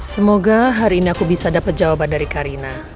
semoga hari ini aku bisa dapat jawaban dari karina